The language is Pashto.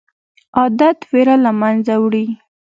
عادت ویره له منځه وړي.